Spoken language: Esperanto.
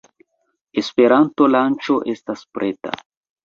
Esperanto-lanĉo estas preta